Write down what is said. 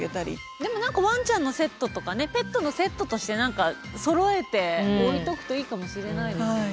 でも何かワンチャンのセットとかねペットのセットとしてそろえて置いとくといいかもしれないですよね。